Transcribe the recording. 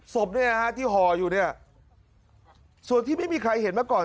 ศพเนี่ยนะฮะที่ห่ออยู่เนี่ยส่วนที่ไม่มีใครเห็นมาก่อน